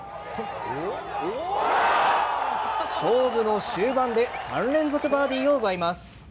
勝負の終盤で３連続バーディーを奪います。